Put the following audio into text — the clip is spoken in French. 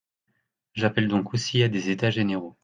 J’appelle donc aussi à des états généraux.